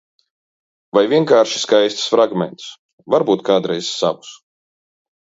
Vai vienkārši skaistus fragmentus. Varbūt kādreiz savus.